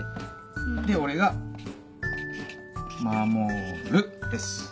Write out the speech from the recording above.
で俺がまもるです。